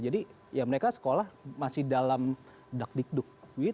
jadi ya mereka sekolah masih dalam dakdikduk